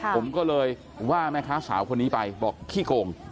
ผมก็เลยว่าแม่ค้าสาวคนนี้ไปบอกขี้โกง